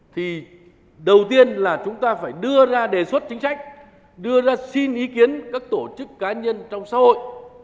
thì đầu tiên là chúng ta phải đưa ra đề xuất chính sách đưa ra xin ý kiến các tổ chức cá nhân trong xã hội